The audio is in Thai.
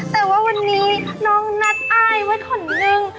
แต่ว่าวันนี้น้องนัดอ้ายไว้คนนึง